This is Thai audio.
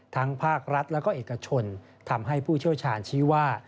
ภาครัฐและก็เอกชนทำให้ผู้เชี่ยวชาญชี้ว่า